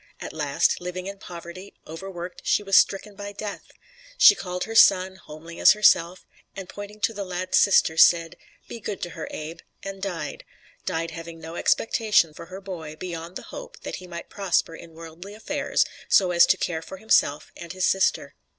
At last, living in poverty, overworked, she was stricken by death. She called her son homely as herself and pointing to the lad's sister said, "Be good to her, Abe," and died died, having no expectation for her boy beyond the hope that he might prosper in worldly affairs so as to care for himself and his sister.